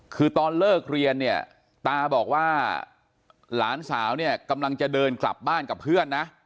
คือตอนเลิกเรียนเนี่ยตาบอกว่าหลานสาวเนี่ยกำลังจะเดินกลับบ้านกับเพื่อนนะ